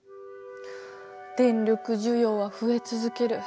電力需要は増え続ける。